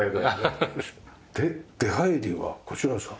で出入りはこちらですか？